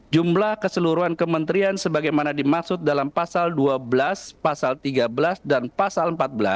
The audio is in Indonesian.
jumlah keseluruhan kementerian sebagaimana dimaksud dalam pasal dua belas pasal tiga belas dan pasal empat belas